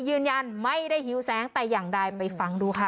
ยืนยันไม่ได้หิวแสงแต่อย่างใดไปฟังดูค่ะ